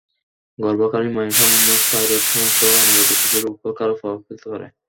গর্ভকালীন মায়ের সামান্য থাইরয়েড সমস্যাও অনাগত শিশুর ওপর খারাপ প্রভাব ফেলতে পারে।